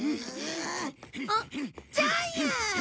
あっジャイアン！